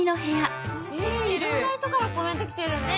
いろんな人からコメント来てるね！